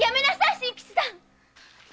真吉さん